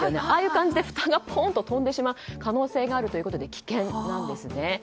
ああいう感じでふたが飛んでしまう可能性があるということで危険なんですね。